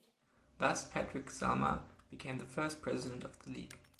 Thus, Patrick Celma became the first president of the league.